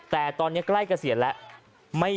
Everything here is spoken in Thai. แต่ตอนนี้ใกล้เกษียณแล้ว